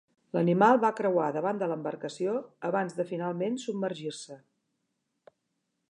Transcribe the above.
L'animal va creuar davant de l'embarcació abans de, finalment submergir-se.